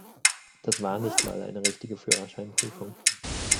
Das war nicht mal eine richtige Führerscheinprüfung.